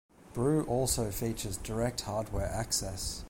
Brew also features direct hardware access.